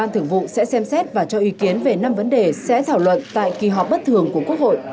thường vụ sẽ xem xét và cho ý kiến về năm vấn đề sẽ thảo luận tại kỳ họp bất thường của quốc hội